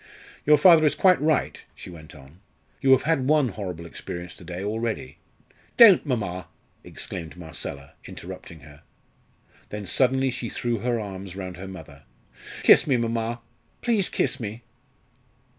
"Your father is quite right," she went on. "You have had one horrible experience to day already " "Don't, mamma!" exclaimed Marcella, interrupting her. Then suddenly she threw her arms round her mother. "Kiss me, mamma! please kiss me!"